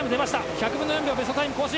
１００分の４秒ベストタイム更新。